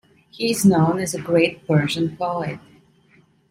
He is known as a great Persian poet.